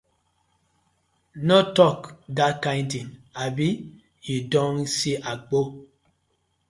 No tok dat kind tin, abi yu don see Agbor?